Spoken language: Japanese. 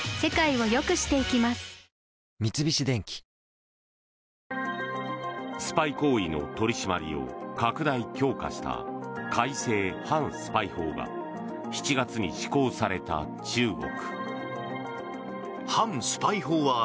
「のりしお」もねスパイ行為の取り締まりを拡大・強化した改正反スパイ法が７月に施行された中国。